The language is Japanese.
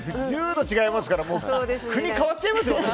１０度違いますから国変わっちゃいますよ。